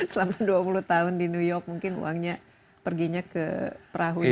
selama dua puluh tahun di new york mungkin uangnya perginya ke perahu itu